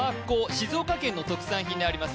静岡県の特産品であります